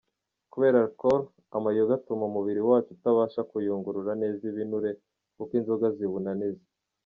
Kubera alcool, amayoga atuma umubiri wacu utabasha kuyungurura neza ibinure, kuko inzoga ziwunaniza.